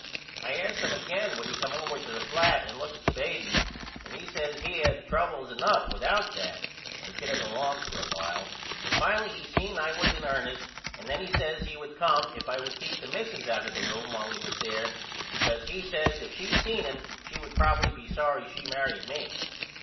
I asked him again would he come over to the flat and look at the baby and he says he had troubles enough without that and kidded along for a while but finally he seen I was in ernest and then he says he would come if I would keep the missus out of the room while he was there because he says if she seen him she would probily be sorry she married me.